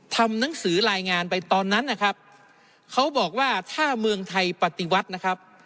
ทำหนังสือรายงานไปตอนนั้นนะครับเขาบอกว่าถ้าเมืองไทยปฏิวัตินะครับ